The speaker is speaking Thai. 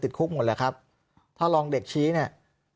คุกหมดแหละครับถ้าลองเด็กชี้เนี่ย